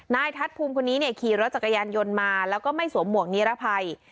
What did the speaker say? นายทัศน์ภูมิคนนี้ขี่รถจักรยานยนต์มาแล้วก็ไม่สวมหมวกนิรภัย